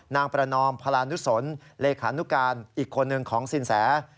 ประนอมพลานุสนเลขานุการอีกคนนึงของสินแส